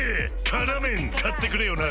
「辛麺」買ってくれよな！